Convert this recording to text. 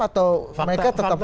atau mereka tetap kuat